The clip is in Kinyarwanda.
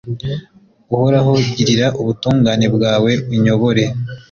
uhoraho, girira ubutungane bwawe, unyobore